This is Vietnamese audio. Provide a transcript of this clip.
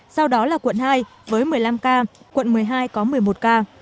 sau đó là quận hai với một mươi năm ca quận một mươi hai có một mươi một ca